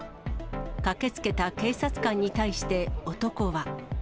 駆けつけた警察官に対して男は。